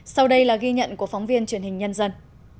sau đây là ghi nhận của phóng viên truyền hình nhân dân